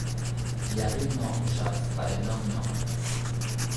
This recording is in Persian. یقین ناخوش است و الا می آمد